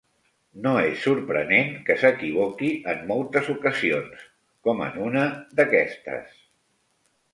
No és sorprenent que s'equivoqui en moltes ocasions, com en una d'aquestes.